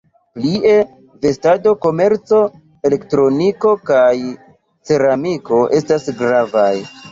Plie, vestado-komerco, elektroniko kaj ceramiko estas gravaj.